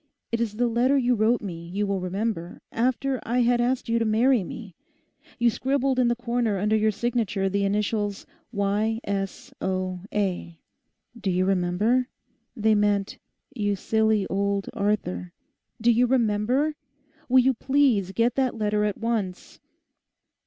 It is the letter you wrote me, you will remember, after I had asked you to marry me. You scribbled in the corner under your signature the initials "Y.S.O.A."—do you remember? They meant, You Silly Old Arthur!—do you remember? Will you please get that letter at once?